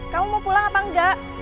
kamu mau pulang apa enggak